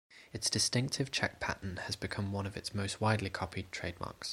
Its distinctive check pattern has become one of its most widely copied trademarks.